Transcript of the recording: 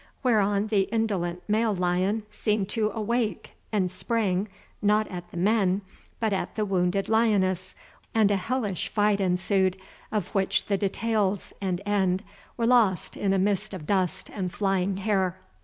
Thereon the indolent male lion seemed to awake, and sprang, not at the men, but at the wounded lioness, and a hellish fight ensued, of which the details and end were lost in a mist of dust and flying hair.